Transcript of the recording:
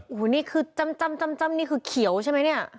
โอ้โหนี่คือจ้ำนี่คือเขียวใช่ไหมเนี่ย